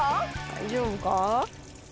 大丈夫か？